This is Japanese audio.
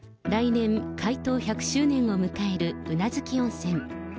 来年、開湯１００周年を迎える宇奈月温泉。